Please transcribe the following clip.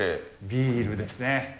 ビールですね。